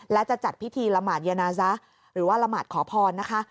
และจะจัดพิธีละหมาดยานาซะหรือว่าละหมาดขอพรนะคะ